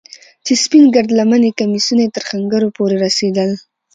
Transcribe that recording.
چې سپين گرد لمني کميسونه يې تر ښنگرو پورې رسېدل.